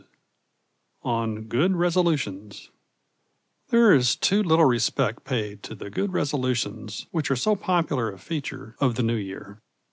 II ON GOOD RESOLUTIONS There is too little respect paid to the good resolutions which are so popular a feature of the New Year.